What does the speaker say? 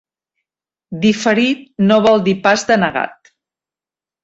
Diferit no vol dir pas denegat